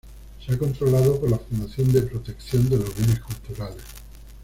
Se ha controlado por la fundación de Protección de los Bienes Culturales.